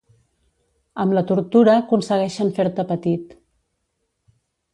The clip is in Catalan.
Amb la tortura aconsegueixen fer-te petit.